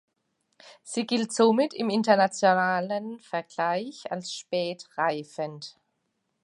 Sie gilt somit im internationalen Vergleich als spät reifend.